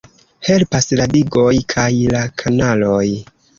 Helpas la digoj kaj la kanaloj.